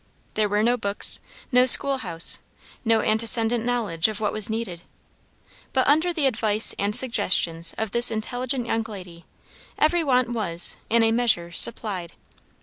There were no books, no school house, no antecedent knowledge of what was needed. But under the advice and suggestions of this intelligent young lady every want was, in a measure, supplied.